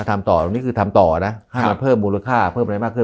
ทำต่อตรงนี้คือทำต่อนะมันเพิ่มมูลค่าเพิ่มอะไรมากขึ้น